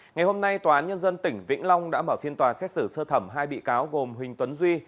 ngày hôm nay tòa án nhân dân tỉnh vĩnh long đã mở phiên tòa xét xử sơ thẩm hai bị cáo gồm huỳnh tuấn duy